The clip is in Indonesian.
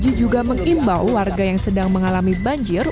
isnawa aji juga mengimbau warga yang sedang mengalami banjir